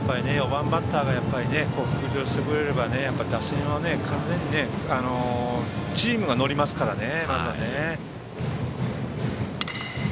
４番バッターが復調してくれれば完全に、チームが乗りますからね。